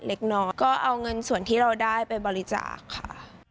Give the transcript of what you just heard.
เล็กน้อยก็เอาเงินส่วนที่เราได้ไปบริจาคค่ะ